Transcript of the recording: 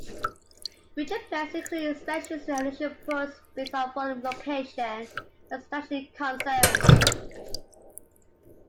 Future plans include expansion to additional ports based on volume, location, and strategic concerns.